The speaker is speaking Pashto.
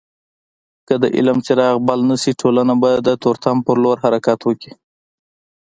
که د علم څراغ بل نسي ټولنه به د تورتم په لور حرکت وکړي.